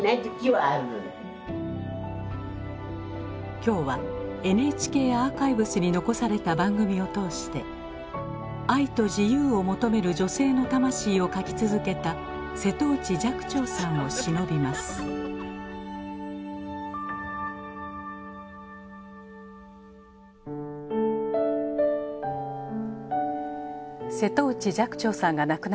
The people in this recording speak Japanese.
今日はＮＨＫアーカイブスに残された番組を通して愛と自由を求める女性の魂を書き続けた瀬戸内寂聴さんをしのびます瀬戸内寂聴さんが亡くなりました。